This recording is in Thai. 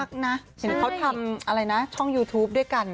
แต่คนนี้น่ารักนะเห็นเขาทำช่องยูทูปด้วยกัน